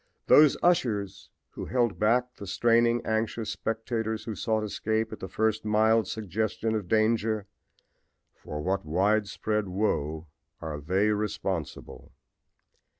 Those ushers who held back the straining, anxious spectators who sought escape at the first mild suggestion of danger for what widespread woe are they responsible!